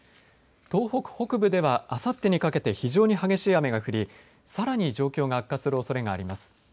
東北北部では、あさってにかけて非常に激しい雨が降りさらに状況が悪化するおそれがあります。